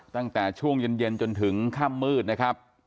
ตั้งแต่ช่วงเย็นจนถึงค่ำมืดนะครับ